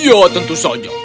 ya ya tentu saja